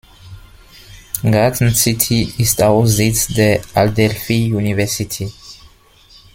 Garden City ist auch Sitz der Adelphi University.